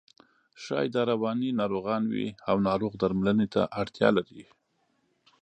ښایي دا رواني ناروغان وي او ناروغ درملنې ته اړتیا لري.